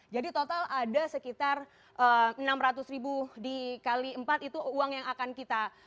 jadi total ada sekitar enam ratus ribu dikali empat itu uang yang akan kita